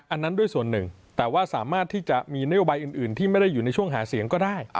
อันนั้นด้วยส่วนหนึ่งแต่ว่าสามารถที่จะมีนโยบายอื่นที่ไม่ได้อยู่ในช่วงหาเสียงก็ได้